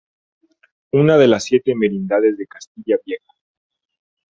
Una de las siete Merindades de Castilla Vieja.